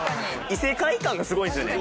異世界感がすごいんですよね